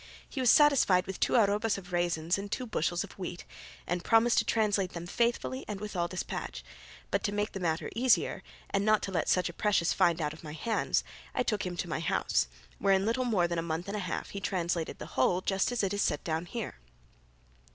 He was satisfied with two arrobas of raisins and two bushels of wheat, and promised to translate them faithfully and with all despatch; but to make the matter easier, and not to let such a precious find out of my hands, I took him to my house, where in little more than a month and a half he translated the whole just as it is set down here.